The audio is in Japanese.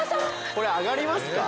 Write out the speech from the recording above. これ上がりますか？